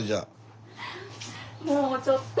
もうちょっと。